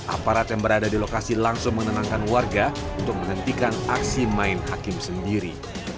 aparat yang berada di lokasi langsung menenangkan warga untuk menghentikan aksi main hakim sendiri